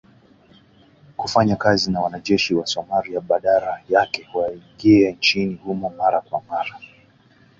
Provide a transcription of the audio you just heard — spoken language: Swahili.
Kufanya kazi na wanajeshi wa Somalia badala yake waingie nchini humo mara kwa mara